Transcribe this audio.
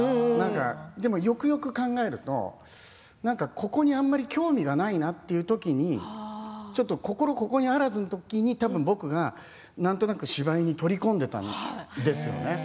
でも、よくよく考えるとここに、あんまり興味がないなという時にちょっと心ここにあらずの時に僕がなんとなく芝居に取り込んでいたんですよね。